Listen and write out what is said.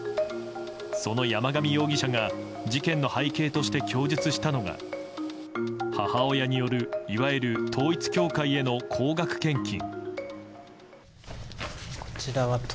その山上容疑者が事件の背景として供述したのが母親によるいわゆる統一教会への高額献金。